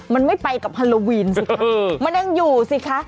มันไม่ไปกับฮาโลวีนสิคะมันยังอยู่สิคะ